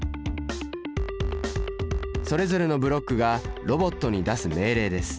それぞれのブロックがロボットに出す命令です。